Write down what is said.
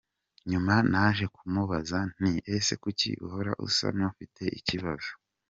Nyuma naje kumubaza nti “Ese kuki uhora usa n’ufite ikibazo?”.